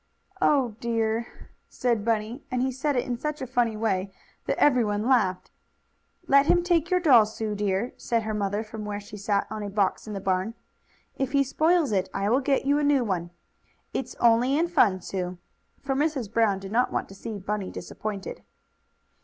"Oh, dear!" said Bunny, and he said it in such a funny way that everyone laughed again. "Let him take your doll, Sue dear," said her mother, from where she sat on a box in the barn. "If he spoils it I will get you a new one. It's only in fun, Sue," for Mrs. Brown did not want to see Bunny disappointed.